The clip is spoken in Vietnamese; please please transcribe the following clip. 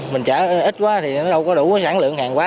mình trở ít quá thì nó đâu có đủ sản lượng hàng quá